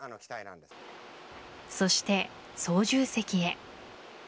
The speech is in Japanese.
そして、操縦席へ。